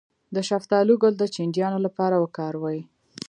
د شفتالو ګل د چینجیانو لپاره وکاروئ